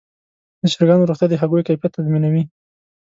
د چرګانو روغتیا د هګیو کیفیت تضمینوي.